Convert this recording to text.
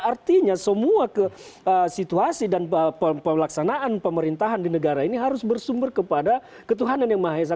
artinya semua situasi dan pelaksanaan pemerintahan di negara ini harus bersumber kepada ketuhanan yang maha esa